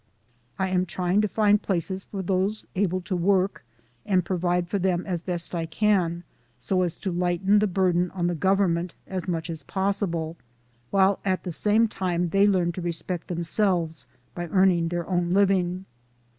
I am trying to find places for those able to work, and provide for them as best I can, so as to lighten the burden on the Government as much as possi ble, while at the same time they learn to respect themselves by earning their own living.